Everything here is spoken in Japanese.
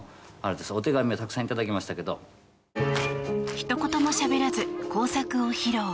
ひと言もしゃべらず工作を披露。